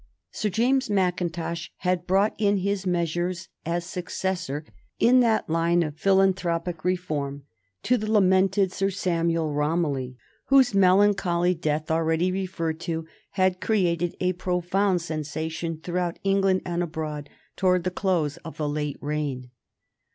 Sir James Mackintosh had brought in his measures as successor, in that line of philanthropic reform, to the lamented Sir Samuel Romilly, whose melancholy death, already referred to, had created a profound sensation throughout England and abroad towards the close of the late reign.